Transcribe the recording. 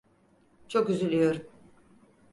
Çok üzülüyorum.